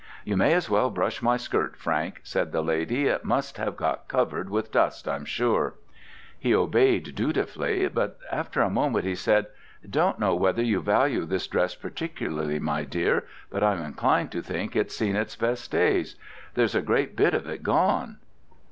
"You may as well brush my skirt, Frank," said the lady, "it must have got covered with dust, I'm sure." He obeyed dutifully; but, after a moment, he said, "I don't know whether you value this dress particularly, my dear, but I'm inclined to think it's seen its best days. There's a great bit of it gone."